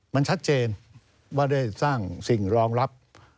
มันชัดเจนว่าได้สร้างสิ่งรองรับ